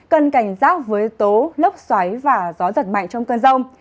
cần cảnh giác với tố lốc xoáy và gió giật mạnh trong cơn rông